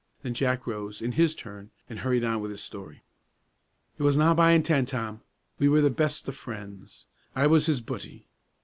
Then Jack rose, in his turn, and hurried on with his story: "It wasna by intent, Tom. We were the best o' frien's; I was his butty.